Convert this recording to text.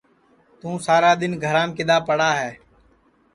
توں سارا دؔن گھرام کِدؔا پڑا ہے